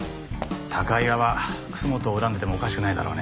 高岩は楠本を恨んでてもおかしくないだろうね。